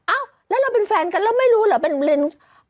อ้าวแล้วเราเป็นแฟนกันแล้วไม่รู้เหรอเป็นโรงเรียน